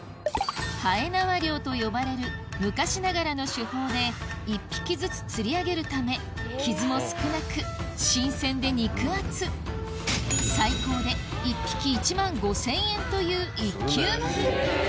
はえ縄漁と呼ばれる昔ながらの手法で１匹ずつ釣り上げるため傷も少なく新鮮で肉厚最高で１匹１万５０００円という一級品